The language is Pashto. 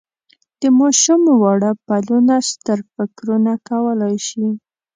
د ماشوم واړه پلونه ستر فکرونه کولای شي.